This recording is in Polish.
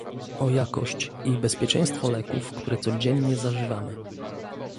o jakość i bezpieczeństwo leków, które codziennie zażywamy